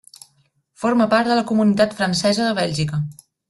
Forma part de la Comunitat Francesa de Bèlgica.